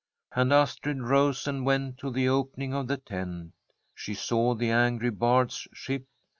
And Astrid rose and went to the opening of the tent. She saw the angry Bard's ship.